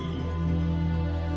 dan saya mencari kesempatan